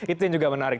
itu yang juga menarik